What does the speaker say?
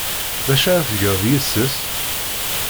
D acu ara tgeḍ yes-s?